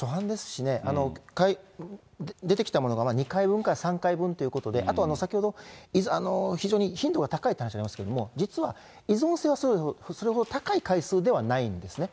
初犯ですしね、出てきたものが２回分から３回分ということで、あと先ほど、非常に頻度が高いという話が出ましたけれども、実は依存性はそれほど高い回数ではないんですね。